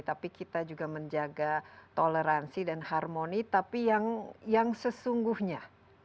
tapi kita juga menjaga toleransi dan harmoni tapi yang sesungguhnya